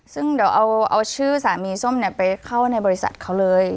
ซึ่งเดี๋ยวเอาชื่อสามีส้มไปเข้าในบริษัทเขาเลย